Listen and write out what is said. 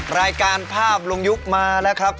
รายการภาพลุงยุคมาแล้วครับ